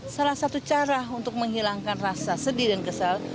salah satu cara untuk menghilangkan rasa sedih dan kesal